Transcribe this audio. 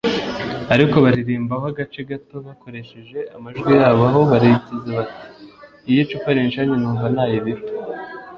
ariko baririmbaho agace gato bakoresheje amajwi yabo aho bagize ati ““Iyo icupa rinshiranye numva ntaye ibiro